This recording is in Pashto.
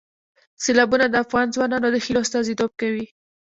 سیلابونه د افغان ځوانانو د هیلو استازیتوب کوي.